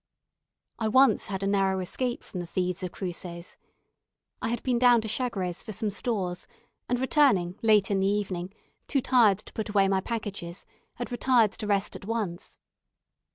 I once had a narrow escape from the thieves of Cruces. I had been down to Chagres for some stores, and returning, late in the evening, too tired to put away my packages, had retired to rest at once.